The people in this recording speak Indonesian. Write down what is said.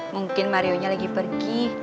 mungkin mario nya lagi pergi